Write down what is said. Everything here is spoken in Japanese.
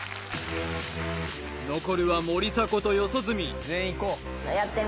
残るは森迫と四十住